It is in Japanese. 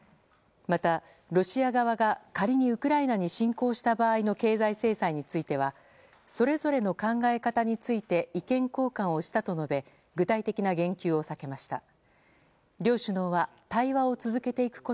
また、ロシア側が仮にウクライナに侵攻した場合の経済制裁についてはそれぞれの考え方について意見交換をしたと述べ具体的な言及を避けました。